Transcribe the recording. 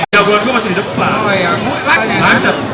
jauh gue masih di depan